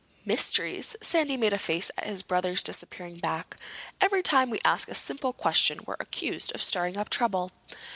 "Mysteries!" Sandy made a face at his brother's disappearing back. "Every time we ask a simple question we're accused of stirring up trouble."